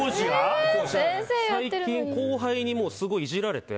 最近、後輩にもすごいいじられて。